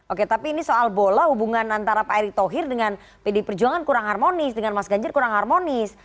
oke tapi ini soal bola hubungan antara pak erick thohir dengan pd perjuangan kurang harmonis dengan mas ganjar kurang harmonis